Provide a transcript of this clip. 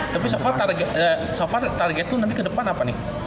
tapi so far target lu nanti ke depan apa nih